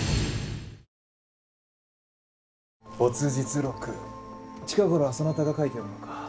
没日録近頃はそなたが書いておるのか？